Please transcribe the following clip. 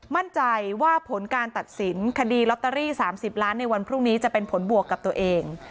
มั่นใจว่าผลการตัดสินคดีลอตเตอรี่๓๐ล้านในวันพรุ่งนี้จะเป็นผลบวกกับตัวเอง